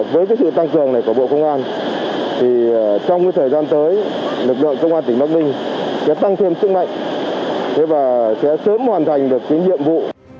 với cái sự tăng cường này của bộ công an thì trong cái thời gian tới lực lượng công an tỉnh bắc ninh sẽ tăng thêm sức mạnh thế và sẽ sớm hoàn thành được cái nhiệm vụ